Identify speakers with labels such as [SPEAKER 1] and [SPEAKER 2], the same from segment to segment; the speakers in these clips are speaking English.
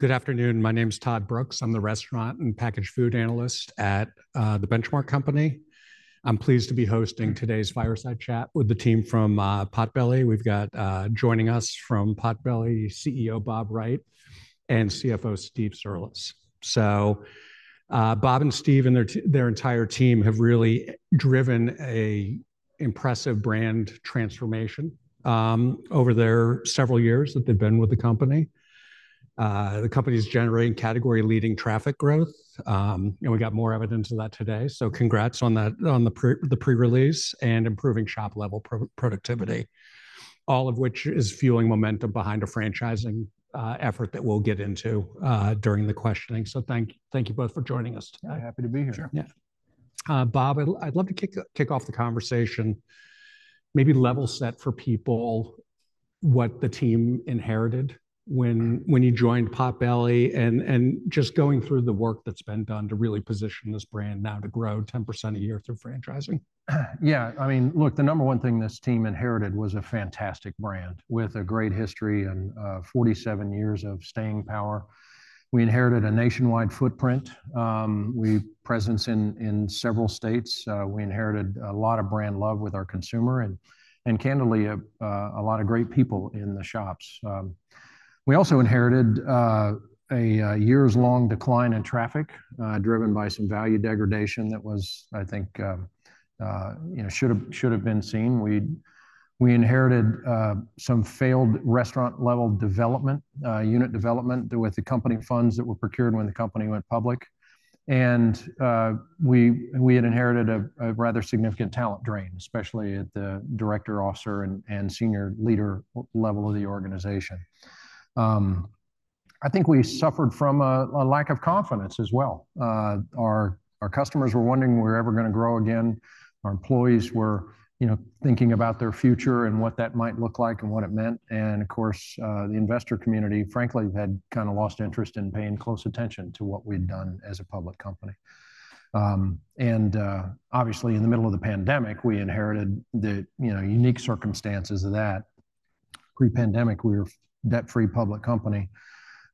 [SPEAKER 1] Good afternoon. My name is Todd Brooks. I'm the restaurant and packaged food analyst at The Benchmark Company. I'm pleased to be hosting today's Fireside Chat with the team from Potbelly. We've got joining us from Potbelly, CEO Bob Wright and CFO Steve Cirulis. So, Bob and Steve and their entire team have really driven an impressive brand transformation over their several years that they've been with the company. The company is generating category-leading traffic growth, and we got more evidence of that today. So congrats on that on the pre-release and improving shop level productivity, all of which is fueling momentum behind a franchising effort that we'll get into during the questioning. So thank you both for joining us today.
[SPEAKER 2] Happy to be here.
[SPEAKER 3] Sure.
[SPEAKER 1] Yeah. Bob, I'd love to kick off the conversation, maybe level set for people what the team inherited when-
[SPEAKER 2] Uh...
[SPEAKER 1] when you joined Potbelly and just going through the work that's been done to really position this brand now to grow 10% a year through franchising.
[SPEAKER 2] Yeah, I mean, look, the number one thing this team inherited was a fantastic brand with a great history and 47 years of staying power. We inherited a nationwide footprint, our presence in several states. We inherited a lot of brand love with our consumer and candidly a lot of great people in the shops. We also inherited a years'-long decline in traffic driven by some value degradation that was, I think, you know, should have been seen. We inherited some failed restaurant-level development, unit development with the company funds that were procured when the company went public. And we had inherited a rather significant talent drain, especially at the director, officer, and senior leader level of the organization. I think we suffered from a lack of confidence as well. Our customers were wondering we're ever gonna grow again. Our employees were, you know, thinking about their future and what that might look like and what it meant. Of course, the investor community, frankly, had kind of lost interest in paying close attention to what we'd done as a public company. And obviously, in the middle of the pandemic, we inherited the, you know, unique circumstances of that. Pre-pandemic, we were a debt-free public company,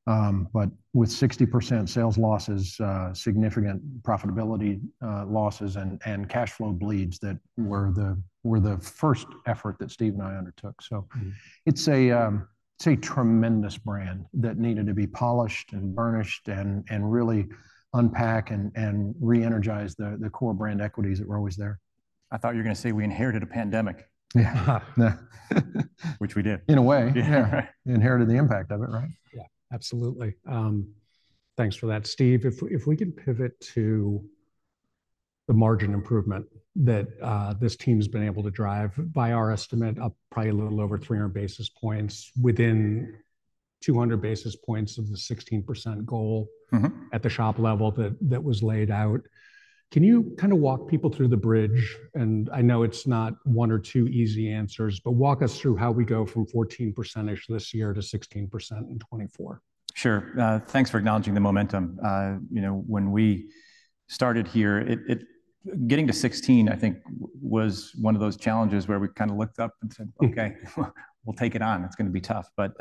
[SPEAKER 2] but with 60% sales losses, significant profitability losses, and cash flow bleeds that were the first effort that Steve and I undertook.
[SPEAKER 3] Mm-hmm.
[SPEAKER 2] It's a tremendous brand that needed to be polished and burnished and really unpack and re-energize the core brand equities that were always there.
[SPEAKER 3] I thought you were gonna say we inherited a pandemic.
[SPEAKER 2] Yeah.
[SPEAKER 1] Uh-huh.
[SPEAKER 3] Which we did.
[SPEAKER 2] In a way.
[SPEAKER 1] Yeah, right.
[SPEAKER 3] Inherited the impact of it, right?
[SPEAKER 1] Yeah, absolutely. Thanks for that. Steve, if we can pivot to the margin improvement that this team's been able to drive, by our estimate, up probably a little over 300 basis points, within 200 basis points of the 16% goal-
[SPEAKER 3] Mm-hmm...
[SPEAKER 1] at the shop level that was laid out. Can you kind of walk people through the bridge? I know it's not one or two easy answers, but walk us through how we go from 14% this year to 16% in 2024.
[SPEAKER 3] Sure. Thanks for acknowledging the momentum. You know, when we started here, getting to 16%, I think, was one of those challenges where we kind of looked up and said, "Okay, we'll take it on. It's gonna be tough." But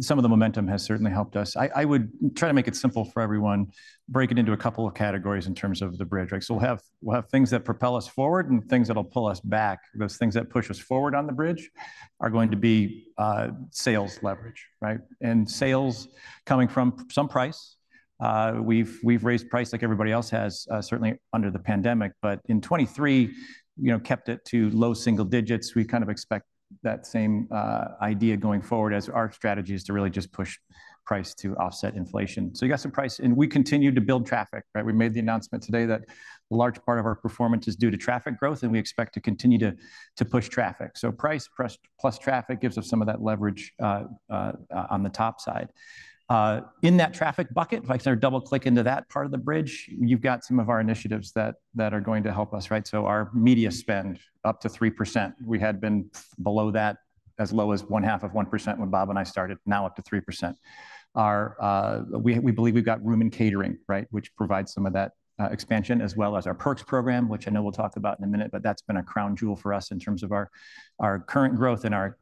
[SPEAKER 3] some of the momentum has certainly helped us. I would try to make it simple for everyone, break it into a couple of categories in terms of the bridge, right? So we'll have things that propel us forward and things that'll pull us back. Those things that push us forward on the bridge are going to be sales leverage, right? And sales coming from some price. We've raised price like everybody else has, certainly under the pandemic, but in 2023, you know, kept it to low single digits. We kind of expect that same idea going forward as our strategy is to really just push price to offset inflation. So you got some price, and we continued to build traffic, right? We made the announcement today that a large part of our performance is due to traffic growth, and we expect to continue to push traffic. So price plus traffic gives us some of that leverage on the top side. In that traffic bucket, if I double-click into that part of the bridge, you've got some of our initiatives that are going to help us, right? So our media spend up to 3%. We had been below that, as low as 0.5% when Bob and I started, now up to 3%. Our... We believe we've got room in catering, right, which provides some of that expansion, as well as our perks program, which I know we'll talk about in a minute, but that's been a crown jewel for us in terms of our current growth and our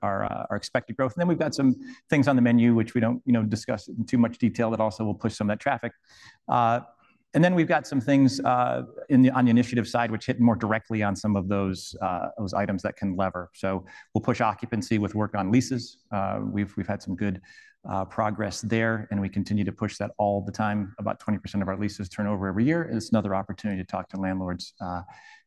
[SPEAKER 3] expected growth. Then we've got some things on the menu, which we don't, you know, discuss in too much detail that also will push some of that traffic. And then we've got some things on the initiative side, which hit more directly on some of those items that can lever. So we'll push occupancy with work on leases. We've had some good progress there, and we continue to push that all the time. About 20% of our leases turn over every year, and it's another opportunity to talk to landlords,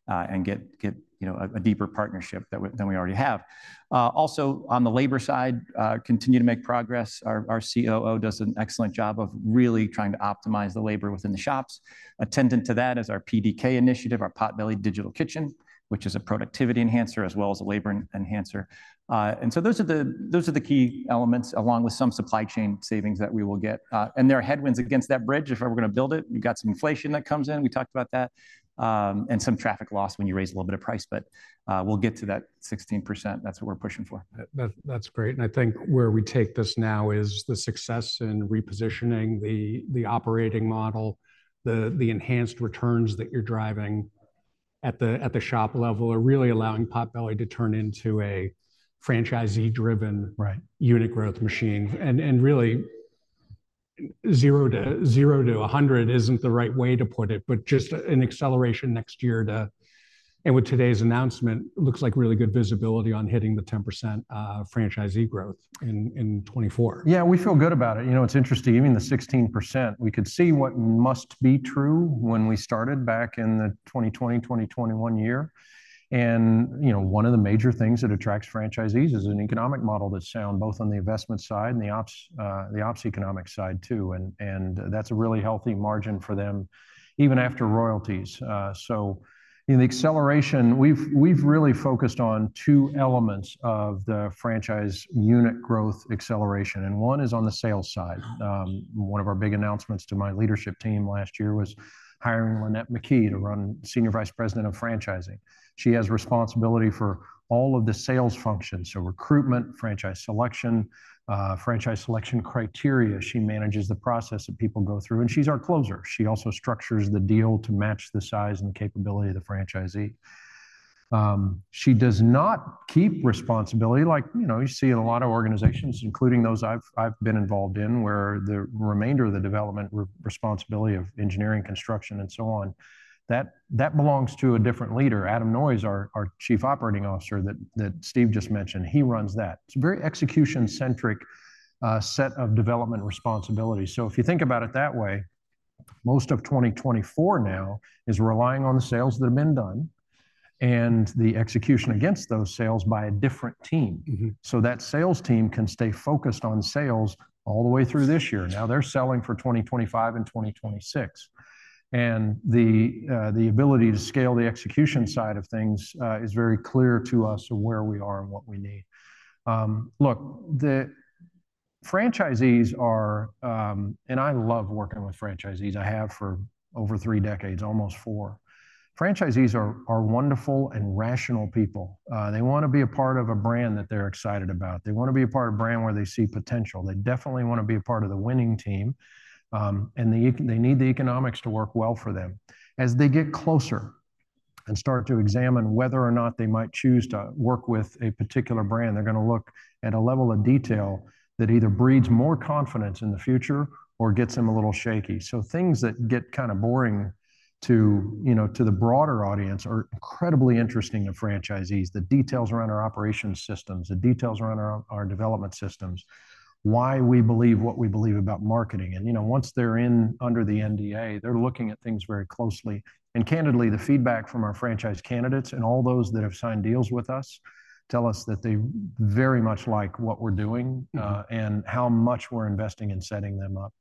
[SPEAKER 3] and get you know a deeper partnership than we already have. Also, on the labor side, continue to make progress. Our COO does an excellent job of really trying to optimize the labor within the shops. Attendant to that is our PDK initiative, our Potbelly Digital Kitchen, which is a productivity enhancer as well as a labor enhancer. And so those are the key elements, along with some supply chain savings that we will get. And there are headwinds against that bridge if we're gonna build it. We've got some inflation that comes in, we talked about that, and some traffic loss when you raise a little bit of price, but we'll get to that 16%. That's what we're pushing for.
[SPEAKER 1] That, that's great. And I think where we take this now is the success in repositioning the operating model. The enhanced returns that you're driving at the shop level are really allowing Potbelly to turn into a franchisee-driven-
[SPEAKER 2] Right
[SPEAKER 1] Unit growth machine. And really, zero to a hundred isn't the right way to put it, but just an acceleration next year to—and with today's announcement, it looks like really good visibility on hitting the 10% franchisee growth in 2024.
[SPEAKER 2] Yeah, we feel good about it. You know, it's interesting, even the 16%, we could see what must be true when we started back in the 2020, 2021 year. You know, one of the major things that attracts franchisees is an economic model that's sound, both on the investment side and the ops, the ops economic side too, and that's a really healthy margin for them, even after royalties. So in the acceleration, we've really focused on two elements of the franchise unit growth acceleration, and one is on the sales side. One of our big announcements to my leadership team last year was hiring Lynette McKee to run Senior Vice President of Franchising. She has responsibility for all of the sales functions, so recruitment, franchise selection, franchise selection criteria. She manages the process that people go through, and she's our closer. She also structures the deal to match the size and capability of the franchisee. She does not keep responsibility, like, you know, you see in a lot of organizations, including those I've been involved in, where the remainder of the development responsibility of engineering, construction, and so on, that belongs to a different leader. Adam Noyes, our Chief Operating Officer that Steve just mentioned, he runs that. It's a very execution-centric set of development responsibilities. So if you think about it that way, most of 2024 now is relying on the sales that have been done and the execution against those sales by a different team.
[SPEAKER 1] Mm-hmm.
[SPEAKER 2] So that sales team can stay focused on sales all the way through this year. Now they're selling for 2025 and 2026, and the ability to scale the execution side of things is very clear to us of where we are and what we need. Look, I love working with franchisees. I have for over three decades, almost four. Franchisees are wonderful and rational people. They want to be a part of a brand that they're excited about. They want to be a part of a brand where they see potential. They definitely want to be a part of the winning team, and they need the economics to work well for them. As they get closer and start to examine whether or not they might choose to work with a particular brand, they're going to look at a level of detail that either breeds more confidence in the future or gets them a little shaky. Things that get kind of boring to, you know, to the broader audience are incredibly interesting to franchisees. The details around our operations systems, the details around our development systems, why we believe what we believe about marketing. You know, once they're in under the NDA, they're looking at things very closely. Candidly, the feedback from our franchise candidates and all those that have signed deals with us tell us that they very much like what we're doing.
[SPEAKER 1] Mm-hmm...
[SPEAKER 2] and how much we're investing in setting them up.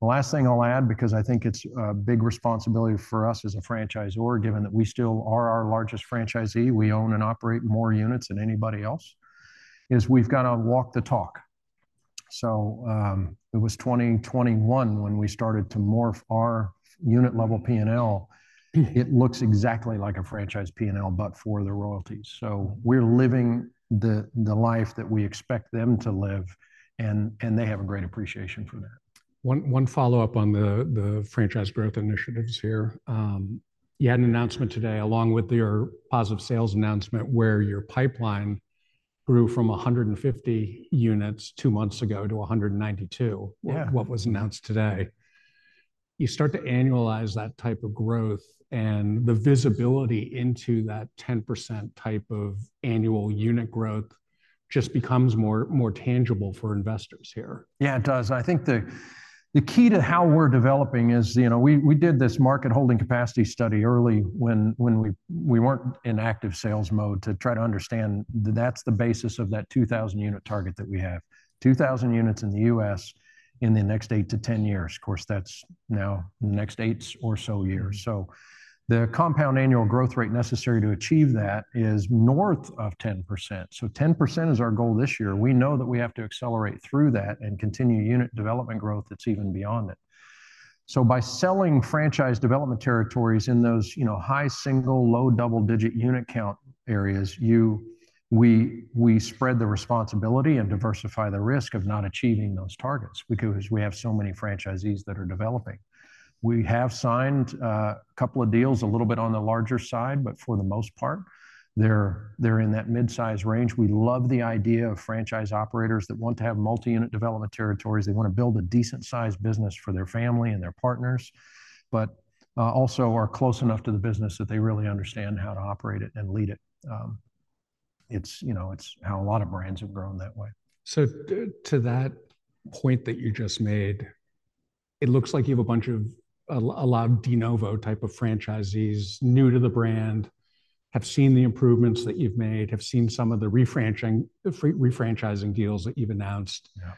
[SPEAKER 2] The last thing I'll add, because I think it's a big responsibility for us as a franchisor, given that we still are our largest franchisee, we own and operate more units than anybody else, is we've got to walk the talk. So, it was 2021 when we started to morph our unit-level P&L. It looks exactly like a franchise P&L, but for the royalties. So we're living the, the life that we expect them to live, and, and they have a great appreciation for that.
[SPEAKER 1] One follow-up on the franchise growth initiatives here. You had an announcement today, along with your positive sales announcement, where your pipeline grew from 150 units two months ago to 192.
[SPEAKER 2] Yeah.
[SPEAKER 1] What was announced today. You start to annualize that type of growth, and the visibility into that 10% type of annual unit growth just becomes more, more tangible for investors here.
[SPEAKER 2] Yeah, it does, and I think the key to how we're developing is, you know, we did this market holding capacity study early when we weren't in active sales mode to try to understand... That's the basis of that 2,000-unit target that we have. 2,000 units in the US in the next eight to 10 years. Of course, that's now the next eight or so years.
[SPEAKER 1] Mm-hmm.
[SPEAKER 2] So the compound annual growth rate necessary to achieve that is north of 10%. So 10% is our goal this year. We know that we have to accelerate through that and continue unit development growth that's even beyond it. So by selling franchise development territories in those, you know, high single, low double-digit unit count areas, we spread the responsibility and diversify the risk of not achieving those targets because we have so many franchisees that are developing. We have signed a couple of deals, a little bit on the larger side, but for the most part, they're in that mid-size range. We love the idea of franchise operators that want to have multi-unit development territories. They want to build a decent-sized business for their family and their partners, but also are close enough to the business that they really understand how to operate it and lead it. It's, you know, it's how a lot of brands have grown that way.
[SPEAKER 1] So to that point that you just made, it looks like you have a bunch of a lot of de novo type of franchisees, new to the brand, have seen the improvements that you've made, have seen some of the refranchising, refranchising deals that you've announced.
[SPEAKER 2] Yeah.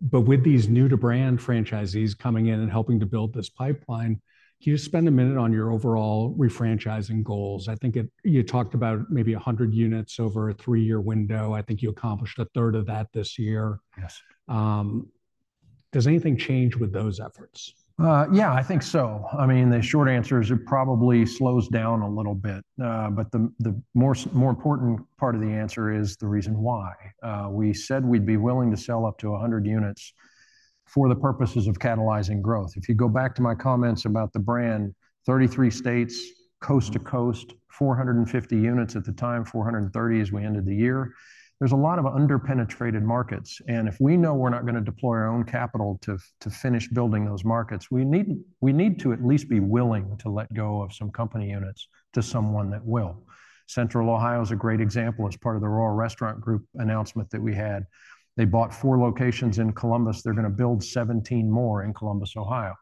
[SPEAKER 1] But with these new-to-brand franchisees coming in and helping to build this pipeline, can you just spend a minute on your overall refranchising goals? I think you talked about maybe 100 units over a three-year window. I think you accomplished a third of that this year.
[SPEAKER 2] Yes.
[SPEAKER 1] Does anything change with those efforts?
[SPEAKER 2] Yeah, I think so. I mean, the short answer is it probably slows down a little bit, but the more important part of the answer is the reason why. We said we'd be willing to sell up to 100 units for the purposes of catalyzing growth. If you go back to my comments about the brand, 33 states, coast to coast, 450 units at the time, 430 as we ended the year. There's a lot of under-penetrated markets, and if we know we're not gonna deploy our own capital to finish building those markets, we need to at least be willing to let go of some company units to someone that will. Central Ohio is a great example. As part of the Royal Restaurant Group announcement that we had, they bought four locations in Columbus. They're gonna build 17 more in Columbus, Ohio.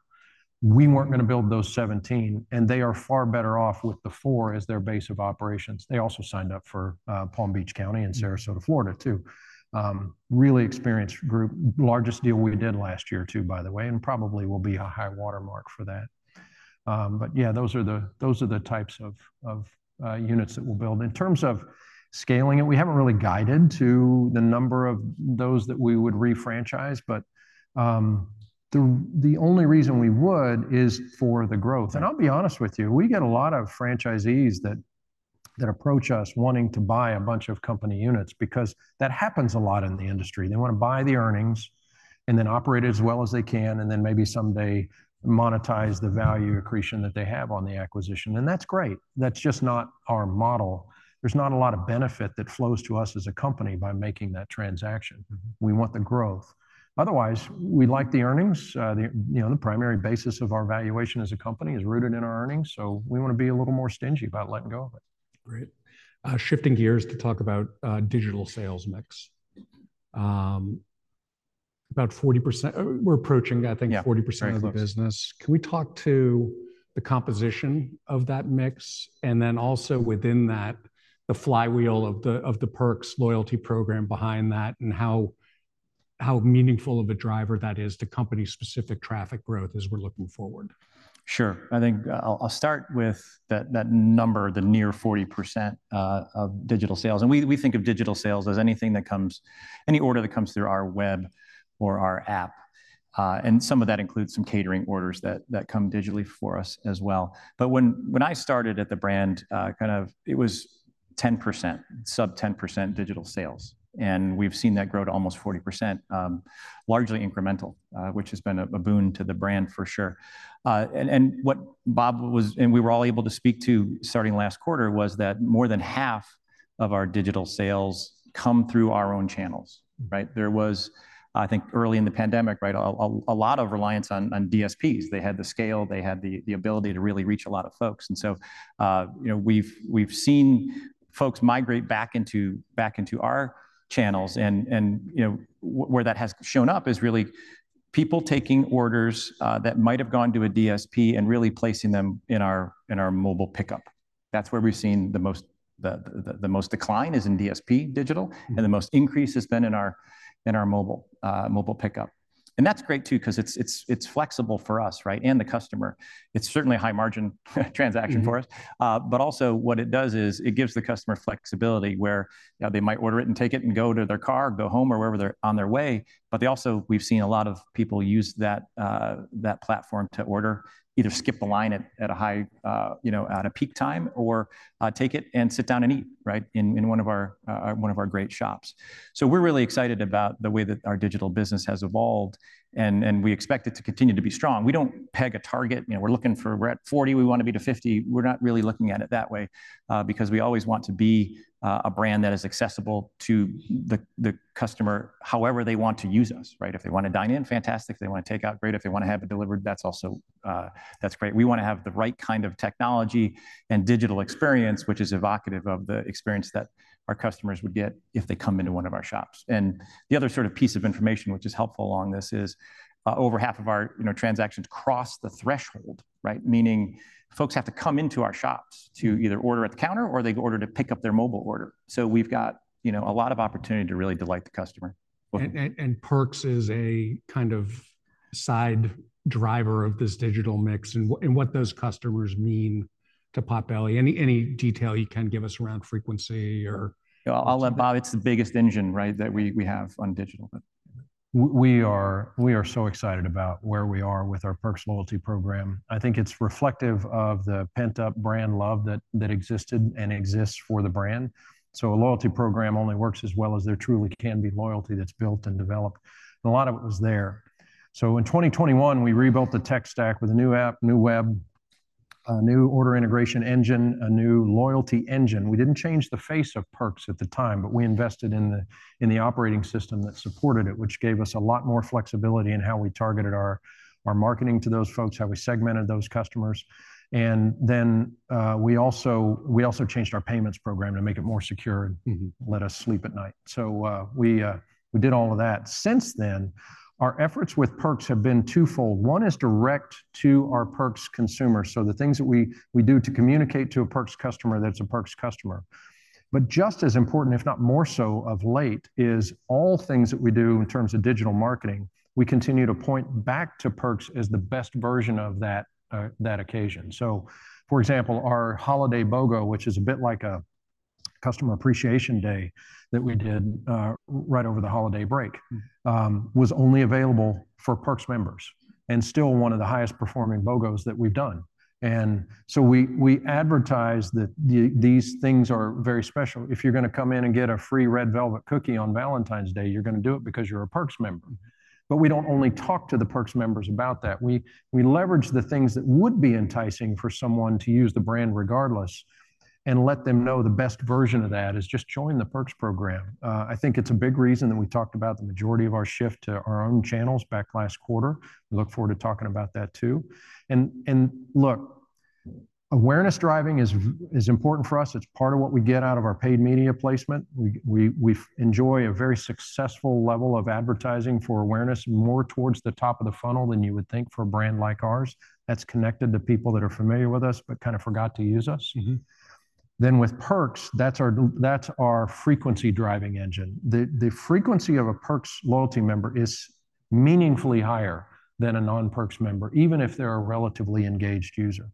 [SPEAKER 2] We weren't gonna build those 17, and they are far better off with the four as their base of operations. They also signed up for Palm Beach County and Sarasota, Florida, too. Really experienced group. Largest deal we did last year, too, by the way, and probably will be a high watermark for that. But yeah, those are the, those are the types of, of units that we'll build. In terms of scaling it, we haven't really guided to the number of those that we would refranchise, but the, the only reason we would is for the growth. I'll be honest with you, we get a lot of franchisees that approach us wanting to buy a bunch of company units because that happens a lot in the industry. They want to buy the earnings and then operate it as well as they can, and then maybe someday monetize the value accretion that they have on the acquisition, and that's great. That's just not our model. There's not a lot of benefit that flows to us as a company by making that transaction.
[SPEAKER 1] Mm-hmm.
[SPEAKER 2] We want the growth. Otherwise, we like the earnings. You know, the primary basis of our valuation as a company is rooted in our earnings, so we want to be a little more stingy about letting go of it.
[SPEAKER 1] Great. Shifting gears to talk about digital sales mix. About 40%—we're approaching, I think-
[SPEAKER 3] Yeah.
[SPEAKER 1] 40% of the business.
[SPEAKER 3] Very close.
[SPEAKER 1] Can we talk to the composition of that mix, and then also within that, the flywheel of the Perks loyalty program behind that, and how meaningful of a driver that is to company-specific traffic growth as we're looking forward?
[SPEAKER 3] Sure. I think I'll start with that number, the near 40% of digital sales. And we think of digital sales as any order that comes through our web or our app, and some of that includes some catering orders that come digitally for us as well. But when I started at the brand, kind of it was 10%, sub 10% digital sales, and we've seen that grow to almost 40%, largely incremental, which has been a boon to the brand for sure. And what Bob was... And we were all able to speak to, starting last quarter, was that more than half of our digital sales come through our own channels, right? There was, I think, early in the pandemic, right, a lot of reliance on DSPs. They had the scale, they had the ability to really reach a lot of folks. And so, you know, we've seen folks migrate back into, back into our channels and, and, you know, where that has shown up is really people taking orders that might have gone to a DSP and really placing them in our, in our mobile pickup. That's where we've seen the most decline is in DSP digital, and the most increase has been in our, in our mobile, mobile pickup. And that's great too, 'cause it's, it's, it's flexible for us, right? And the customer. It's certainly a high-margin transaction for us.
[SPEAKER 1] Mm-hmm.
[SPEAKER 3] But also what it does is it gives the customer flexibility, where, they might order it and take it and go to their car, go home, or wherever they're on their way, but they also, we've seen a lot of people use that platform to order. Either skip a line at a high, you know, at a peak time or, take it and sit down and eat, right, in one of our great shops. So we're really excited about the way that our digital business has evolved, and we expect it to continue to be strong. We don't peg a target. You know, we're looking for... We're at 40, we want to be to 50. We're not really looking at it that way, because we always want to be a brand that is accessible to the customer however they want to use us, right? If they want to dine in, fantastic. If they want to take out, great. If they want to have it delivered, that's also that's great. We want to have the right kind of technology and digital experience, which is evocative of the experience that our customers would get if they come into one of our shops. And the other sort of piece of information which is helpful along this is over half of our, you know, transactions cross the threshold, right? Meaning folks have to come into our shops to either order at the counter or they order to pick up their mobile order. We've got, you know, a lot of opportunity to really delight the customer.
[SPEAKER 1] Perks is a kind of side driver of this digital mix and what those customers mean to Potbelly. Any detail you can give us around frequency or-
[SPEAKER 3] Yeah, I'll let Bob... It's the biggest engine, right, that we have on digital, but-
[SPEAKER 2] We are so excited about where we are with our Perks loyalty program. I think it's reflective of the pent-up brand love that existed and exists for the brand. So a loyalty program only works as well as there truly can be loyalty that's built and developed, and a lot of it was there. So in 2021, we rebuilt the tech stack with a new app, new web, a new order integration engine, a new loyalty engine. We didn't change the face of Perks at the time, but we invested in the operating system that supported it, which gave us a lot more flexibility in how we targeted our marketing to those folks, how we segmented those customers. And then, we also changed our payments program to make it more secure-
[SPEAKER 1] Mm-hmm.
[SPEAKER 2] and let us sleep at night. So, we did all of that. Since then, our efforts with Perks have been twofold. One is direct to our Perks consumers, so the things that we do to communicate to a Perks customer that's a Perks customer. But just as important, if not more so of late, is all things that we do in terms of digital marketing, we continue to point back to Perks as the best version of that occasion. So, for example, our holiday BOGO, which is a bit like a customer appreciation day that we did, right over the holiday break-
[SPEAKER 1] Mm-hmm...
[SPEAKER 2] was only available for Perks members... and still one of the highest performing BOGOs that we've done. And so we advertise that these things are very special. If you're gonna come in and get a free Red Velvet Cookie on Valentine's Day, you're gonna do it because you're a Perks member. But we don't only talk to the Perks members about that, we leverage the things that would be enticing for someone to use the brand regardless, and let them know the best version of that is just join the Perks program. I think it's a big reason that we talked about the majority of our shift to our own channels back last quarter. We look forward to talking about that too. And look, awareness driving is important for us. It's part of what we get out of our paid media placement. We've enjoy a very successful level of advertising for awareness, more towards the top of the funnel than you would think for a brand like ours that's connected to people that are familiar with us, but kind of forgot to use us.
[SPEAKER 1] Mm-hmm.
[SPEAKER 2] Then with Perks, that's our driving engine. The frequency of a Perks loyalty member is meaningfully higher than a non-Perks member, even if they're a relatively engaged user.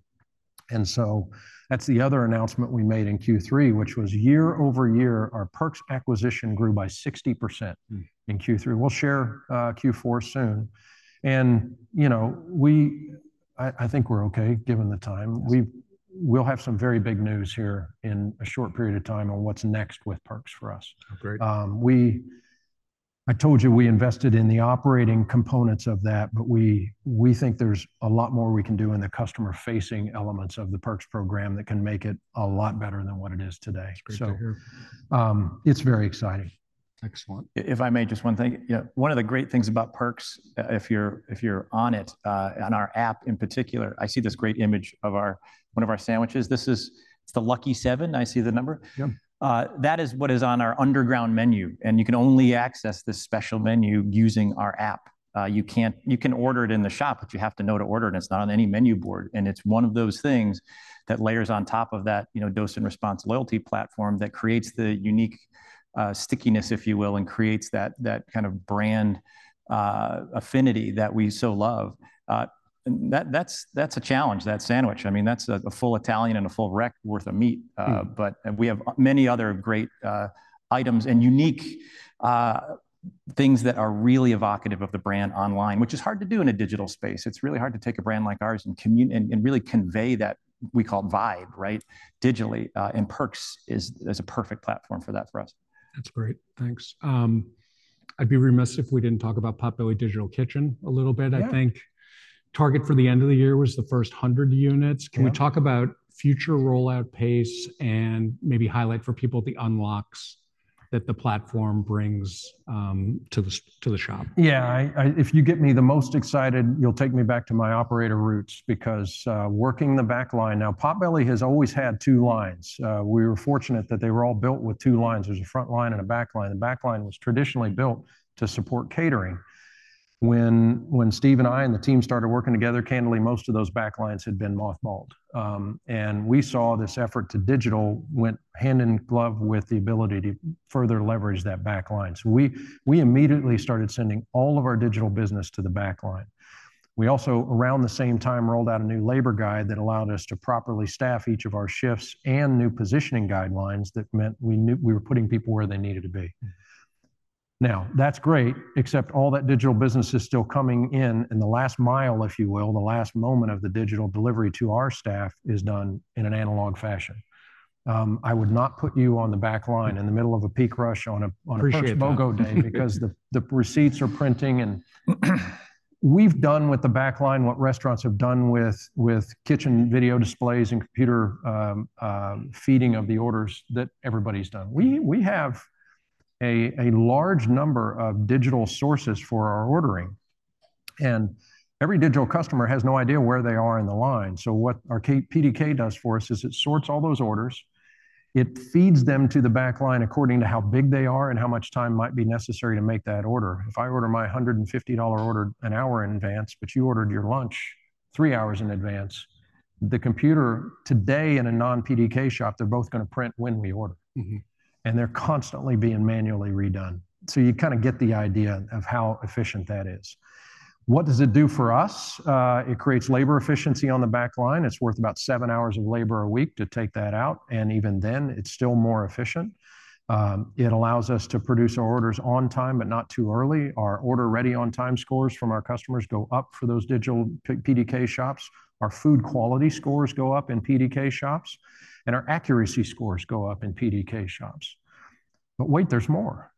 [SPEAKER 2] And so that's the other announcement we made in Q3, which was year-over-year, our Perks acquisition grew by 60%-
[SPEAKER 1] Mm.
[SPEAKER 2] in Q3. We'll share Q4 soon. And, you know, we. I think we're okay, given the time.
[SPEAKER 1] Yes.
[SPEAKER 2] We'll have some very big news here in a short period of time on what's next with Perks for us.
[SPEAKER 1] Great.
[SPEAKER 2] I told you we invested in the operating components of that, but we think there's a lot more we can do in the customer-facing elements of the Perks program that can make it a lot better than what it is today.
[SPEAKER 1] That's great to hear.
[SPEAKER 2] It's very exciting.
[SPEAKER 1] Excellent.
[SPEAKER 3] If I may, just one thing. Yeah, one of the great things about Perks, if you're, if you're on it, on our app in particular, I see this great image of our, one of our sandwiches. This is. It's the Lucky 7. I see the number.
[SPEAKER 2] Yeah.
[SPEAKER 3] That is what is on our Underground Menu, and you can only access this special menu using our app. You can order it in the shop, but you have to know to order it, and it's not on any menu board. And it's one of those things that layers on top of that, you know, dose and response loyalty platform that creates the unique stickiness, if you will, and creates that, that kind of brand affinity that we so love. And that's a challenge, that sandwich. I mean, that's a full Italian and a full Wreck worth of meat.
[SPEAKER 1] Mm.
[SPEAKER 3] We have many other great items and unique things that are really evocative of the brand online, which is hard to do in a digital space. It's really hard to take a brand like ours and really convey that, we call it vibe, right? Digitally. And Perks is a perfect platform for that for us.
[SPEAKER 1] That's great. Thanks. I'd be remiss if we didn't talk about Potbelly Digital Kitchen a little bit.
[SPEAKER 2] Yeah.
[SPEAKER 1] I think target for the end of the year was the first 100 units.
[SPEAKER 2] Yeah.
[SPEAKER 1] Can we talk about future rollout pace and maybe highlight for people the unlocks that the platform brings to the shop?
[SPEAKER 2] Yeah, if you get me the most excited, you'll take me back to my operator roots because, working the back line. Now, Potbelly has always had two lines. We were fortunate that they were all built with two lines. There's a front line and a back line. The back line was traditionally built to support catering. When Steve and I and the team started working together, candidly, most of those back lines had been mothballed. And we saw this effort to digital went hand in glove with the ability to further leverage that back line. So we immediately started sending all of our digital business to the back line. We also, around the same time, rolled out a new labor guide that allowed us to properly staff each of our shifts and new positioning guidelines that meant we knew we were putting people where they needed to be. Now, that's great, except all that digital business is still coming in, and the last mile, if you will, the last moment of the digital delivery to our staff is done in an analog fashion. I would not put you on the back line in the middle of a peak rush on a.
[SPEAKER 1] Appreciate that
[SPEAKER 2] BOGO day, because the receipts are printing and we've done with the back line what restaurants have done with kitchen video displays and computer feeding of the orders that everybody's done. We have a large number of digital sources for our ordering, and every digital customer has no idea where they are in the line. So what our PDK does for us is it sorts all those orders, it feeds them to the back line according to how big they are and how much time might be necessary to make that order. If I order my $150 order an hour in advance, but you ordered your lunch three hours in advance, the computer today in a non-PDK shop, they're both gonna print when we order.
[SPEAKER 1] Mm-hmm.
[SPEAKER 2] They're constantly being manually redone. So you kind of get the idea of how efficient that is. What does it do for us? It creates labor efficiency on the back line. It's worth about seven hours of labor a week to take that out, and even then, it's still more efficient. It allows us to produce our orders on time, but not too early. Our order ready on time scores from our customers go up for those digital PDK shops, our food quality scores go up in PDK shops, and our accuracy scores go up in PDK shops. But wait, there's more.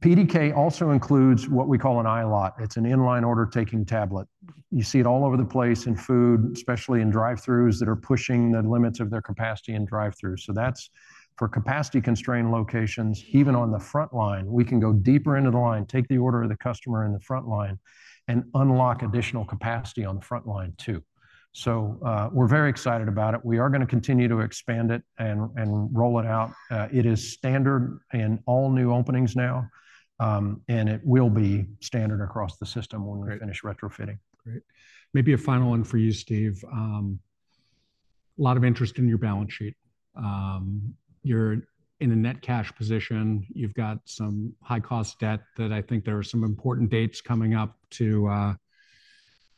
[SPEAKER 2] PDK also includes what we call an iLOT. It's an in-line order taking tablet. You see it all over the place in food, especially in drive-throughs that are pushing the limits of their capacity in drive-throughs. So that's for capacity-constrained locations. Even on the front line, we can go deeper into the line, take the order of the customer in the front line, and unlock additional capacity on the front line too. So, we're very excited about it. We are gonna continue to expand it and roll it out. It is standard in all new openings now, and it will be standard across the system when-
[SPEAKER 1] Great
[SPEAKER 2] We finish retrofitting.
[SPEAKER 1] Great. Maybe a final one for you, Steve. A lot of interest in your balance sheet. You're in a net cash position. You've got some high-cost debt that I think there are some important dates coming up to,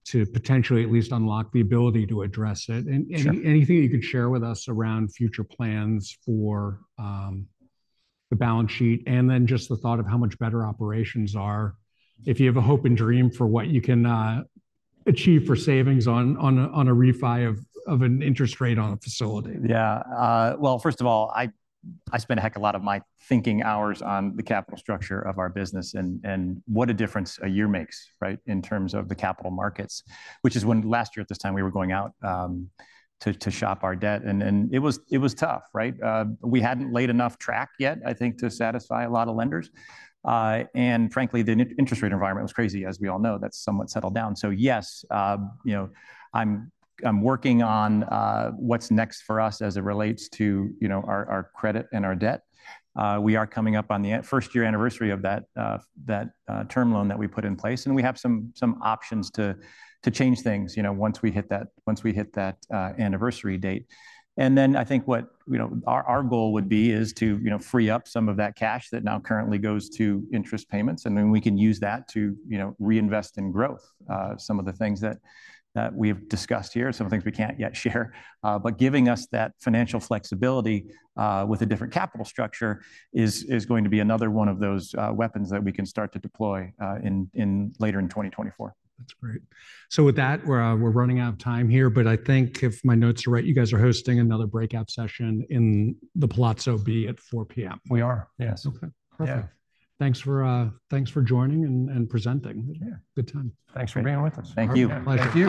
[SPEAKER 1] to potentially at least unlock the ability to address it.
[SPEAKER 3] Sure.
[SPEAKER 1] And anything you could share with us around future plans for the balance sheet, and then just the thought of how much better operations are, if you have a hope and dream for what you can achieve for savings on a refi of an interest rate on a facility?
[SPEAKER 3] Yeah. Well, first of all, I spend a heck of a lot of my thinking hours on the capital structure of our business, and what a difference a year makes, right, in terms of the capital markets, which is when last year at this time, we were going out to shop our debt, and it was tough, right? We hadn't laid enough track yet, I think, to satisfy a lot of lenders. And frankly, the interest rate environment was crazy, as we all know. That's somewhat settled down. So yes, you know, I'm working on what's next for us as it relates to our credit and our debt. We are coming up on the first year anniversary of that term loan that we put in place, and we have some options to change things, you know, once we hit that anniversary date. And then I think what you know our goal would be is to you know free up some of that cash that now currently goes to interest payments, and then we can use that to you know reinvest in growth. Some of the things that we've discussed here, some things we can't yet share, but giving us that financial flexibility with a different capital structure is going to be another one of those weapons that we can start to deploy in later in 2024.
[SPEAKER 1] That's great. So with that, we're running out of time here, but I think if my notes are right, you guys are hosting another breakout session in the Palazzo B at 4:00 P.M.
[SPEAKER 3] We are, yes.
[SPEAKER 1] Okay, perfect.
[SPEAKER 3] Yeah.
[SPEAKER 1] Thanks for joining and presenting.
[SPEAKER 3] Yeah.
[SPEAKER 1] Good time.
[SPEAKER 3] Thanks for being with us.
[SPEAKER 2] Thank you.
[SPEAKER 1] Pleasure to be here.